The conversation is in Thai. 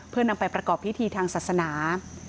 เพื่อนำไปประกอบพิธีทางศาสนา